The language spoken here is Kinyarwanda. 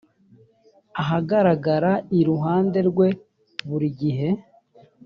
ahagaragara iruhanderwe burigihe.